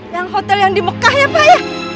yang hotel yang di mekah ya pak ya